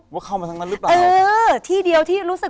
ว่าเขามาทางนั้นหรือเปล่า